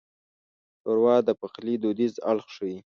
ښوروا د پخلي دودیز اړخ ښيي.